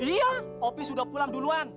iya opi sudah pulang duluan